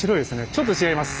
ちょっと違います。